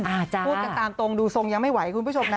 พูดกันตามตรงดูทรงยังไม่ไหวคุณผู้ชมนะ